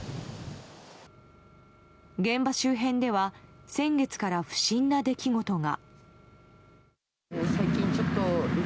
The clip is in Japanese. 現場周辺では先月から不審な出来事が。